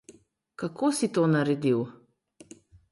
Kako si to naredil?